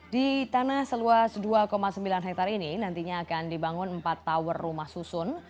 di tanah seluas dua sembilan hektare ini nantinya akan dibangun empat tower rumah susun